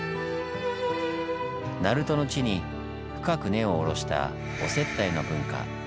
鳴門の地に深く根を下ろしたお接待の文化。